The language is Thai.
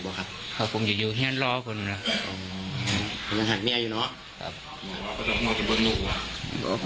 ไม่เป็นยังหรอก